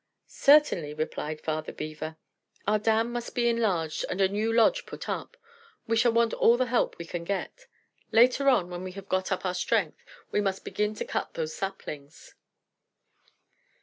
"Certainly," replied Father Beaver. "Our dam must be enlarged, and a new lodge put up. We shall want all the help we can get. Later on, when we have got up our strength, we must begin to cut those saplings."